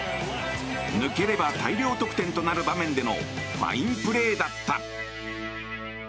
抜ければ大量得点となる場面のファインプレーだった。